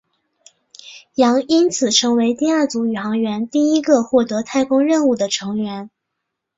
杨因此成为了第二组宇航员第一个获得太空任务的成员。